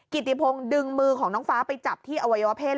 กิติพงศ์ดึงมือของน้องฟ้าไปจับที่อวัยวะเพศ